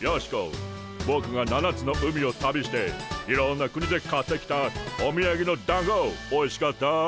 ヨシコボクが七つの海を旅していろんな国で買ってきたおみやげのだんごおいしかった？